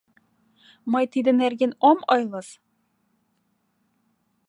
— Мый тидын нерген ом ойлыс.